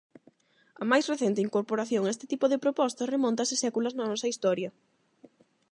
A máis recente incorporación a este tipo de propostas remóntase séculos na nosa historia.